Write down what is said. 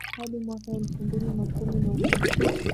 hadi mwaka elfu mbili na kumi na nane